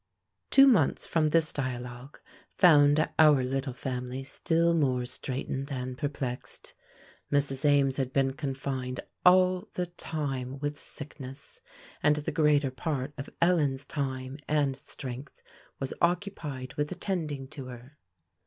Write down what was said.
Two months from this dialogue found our little family still more straitened and perplexed. Mrs. Ames had been confined all the time with sickness, and the greater part of Ellen's time and strength was occupied with attending to her.